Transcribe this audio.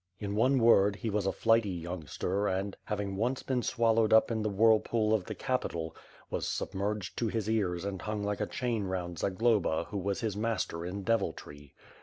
In one word, he was a flighty youngster and, having once been swallowed up in the whirlpool of the capital, was sub merged to his ears and hung like a chain round Zagloba who was his master in deviltry.